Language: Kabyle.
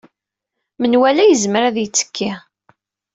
Menwala yezmer ad yettekki.